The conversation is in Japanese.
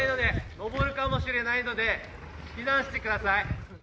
登るかもしれないので、避難してください。